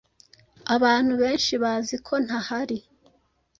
Abantu benshi bazi ko ntahari